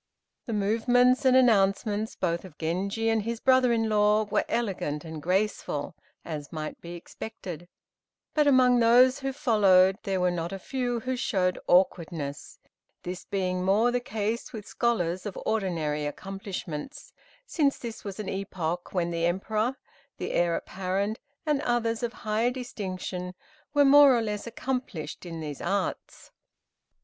The movements and announcements both of Genji and his brother in law were elegant and graceful, as might be expected; but among those who followed there were not a few who showed awkwardness, this being more the case with scholars of ordinary accomplishments, since this was an epoch when the Emperor, the Heir apparent and others of high distinction were more or less accomplished in these arts.